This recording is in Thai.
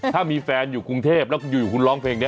ถ้ามีแฟนอยู่กูแพบแล้วอยู่คุณล้องเพลงนี้